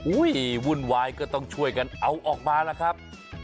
ที่วุ่นวายก็ต้องช่วยกันเอาออกมาล่ะครับ